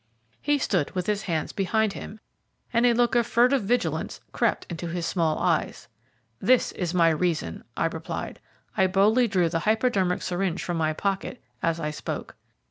He stood with his hands behind him, and a look of furtive vigilance crept into his small eyes. "This is my reason," I replied. I boldly drew the hypodermic syringe from my pocket as I spoke.